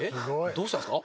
どうしたんですか？